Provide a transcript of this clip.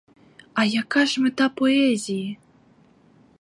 А яка ж мета поезії!